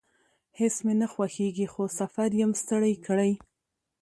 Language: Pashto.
هیڅ مې نه خوښیږي، خو سفر یم ستړی کړی